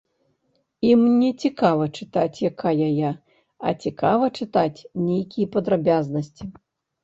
Ім не цікава чытаць, якая я, а цікава чытаць нейкія падрабязнасці.